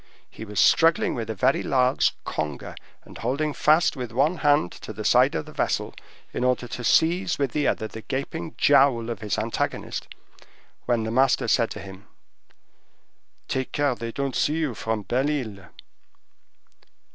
He was struggling with a very large conger, and holding fast with one hand to the side of the vessel, in order to seize with the other the gaping jowl of his antagonist, when the master said to him, "Take care they don't see you from Belle Isle!"